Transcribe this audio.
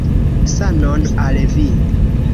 Sanon al vi!